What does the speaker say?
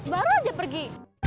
baru aja pergi